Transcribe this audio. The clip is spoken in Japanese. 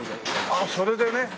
ああそれでね。